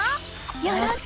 よろしく！